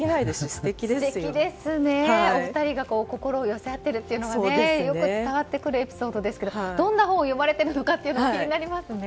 素敵ですね、お二人が心を寄せ合っているというのがよく伝わってくるエピソードですけどどんな本を読まれているのか気になりますね。